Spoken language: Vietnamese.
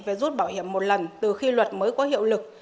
về rút bảo hiểm một lần từ khi luật mới có hiệu lực